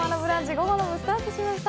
午後の部スタートしました。